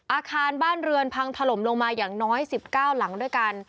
อาคารบ้านเรือนพังถล่มลงมาอย่างน้อย๑๙หลังด้วยกัน